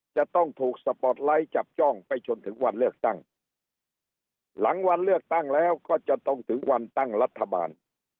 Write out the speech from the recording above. จะต้องถูกสปอร์ตไลท์จับจ้องไปจนถึงวันเลือกตั้งหลังวันเลือกตั้งแล้วก็จะต้องถึงวันตั้งรัฐบาล